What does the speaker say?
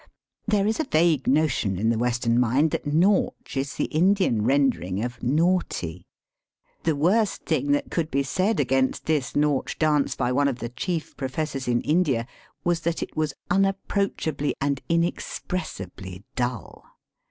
There is a vague notion in the Western mind that Nautch is the Indian rendering of naughty. The worst thing that could be said against this Nautch dance by one of the chief professors in India was that it was unap proachably and inexpressibly dull.